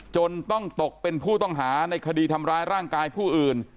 จนต้องตกเป็นผู้ต้องหาในคดีทำร้ายร่างกายผู้อื่น